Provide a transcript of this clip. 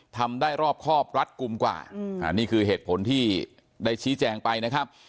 ทำได้รอบครอบรัดกลุ่มกว่านี่คือเหตุผลที่ได้ชี้แจงไปนะครับ